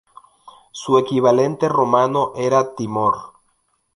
Su equivalente romano era Timor.